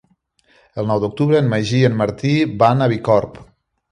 El nou d'octubre en Magí i en Martí van a Bicorb.